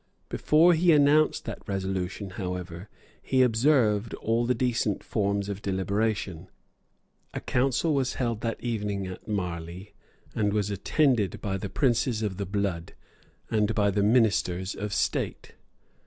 Before he announced that resolution, however, he observed all the decent forms of deliberation. A council was held that evening at Marli, and was attended by the princes of the blood and by the ministers of state.